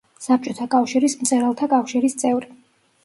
საბჭოთა კავშირის მწერალთა კავშირის წევრი.